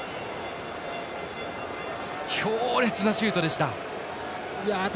強烈なシュートでした。